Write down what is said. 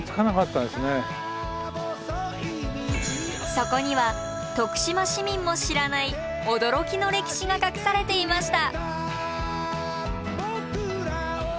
そこには徳島市民も知らない驚きの歴史が隠されていました。